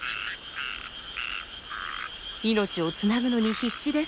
命をつなぐのに必死です。